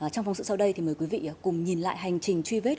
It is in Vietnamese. trong phòng sự sau đây mời quý vị cùng nhìn lại hành trình truy vết